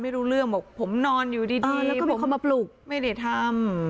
ไม่รู้เรื่องบอกผมนอนอยู่ดีแล้วก็บอกเขามาปลุกไม่ได้ทำ